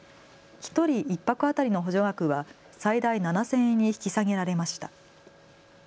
１人１泊当たりの補助額は最大７０００円に引き下げられました。